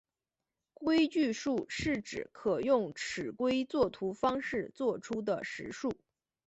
规矩数是指可用尺规作图方式作出的实数。